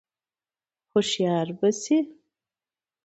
هوښیار به شې !